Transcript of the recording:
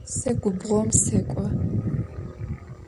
Se gubğom sek'o.